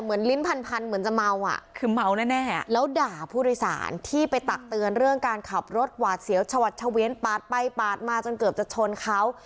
ลิ้นพันเหมือนจะเมาอ่ะคือเมาแน่แล้วด่าผู้โดยสารที่ไปตักเตือนเรื่องการขับรถหวาดเสียวชวัดเฉวียนปาดไปปาดมาจนเกือบจะชนเขา